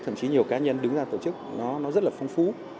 thậm chí nhiều cá nhân đứng ra tổ chức nó rất là phong phú